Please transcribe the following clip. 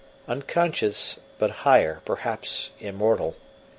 Unconscious, but higher; perhaps immortal.